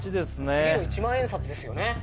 次の１万円札ですよね